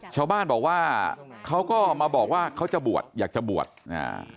ชาวบ้านบอกว่าเขาก็มาบอกว่าเขาจะบวชอยากจะบวชอ่า